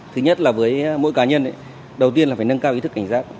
thứ nhất là với mỗi cá nhân đầu tiên là phải nâng cao ý thức cảnh giác